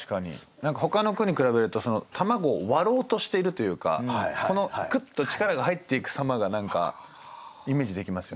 何かほかの句に比べると卵を割ろうとしているというかクッと力が入っていく様が何かイメージできますよね。